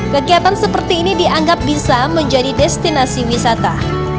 kegiatan seperti ini dianggap bisa menjadi destinasi wisata